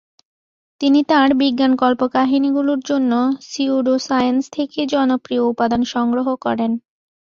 তিনি তাঁর বিজ্ঞানকল্পকাহিনীগুলোর জন্য সিউডোসায়েন্স থেকে জনপ্রিয় উপাদান সংগ্রহ করেন।